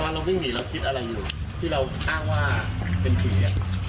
เราวิ่งหนีเราคิดอะไรอยู่ที่เราอ้างว่าเป็นผี